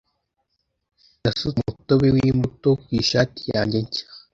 Nasutse umutobe w'imbuto ku ishati yanjye nshya.